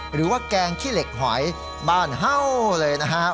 หรือว่าแกงขี้เหล็กหอยบ้านเฮ่าเลยนะฮะ